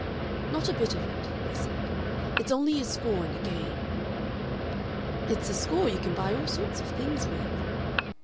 "Not a bit of it," he said; "it's only a score in a game." "It's a score you can buy all sorts of things with."